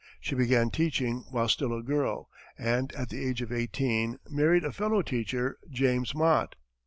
She began teaching while still a girl, and at the age of eighteen, married a fellow teacher, James Mott.